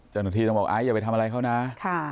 จนสักทีต้องบอกไอส์อย่าไปทำอะไรเขานะ